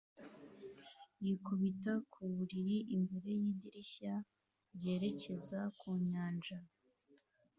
yikubita ku buriri imbere yidirishya ryerekeza ku nyanja